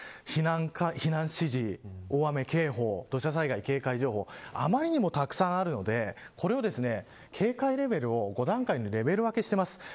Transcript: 避難指示、大雨警報土砂災害警戒情報余りにもたくさんあるのでこれを警戒レベルを５段階に分けています。